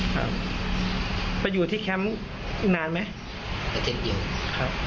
ครับไปอยู่ที่แคมป์นานไหม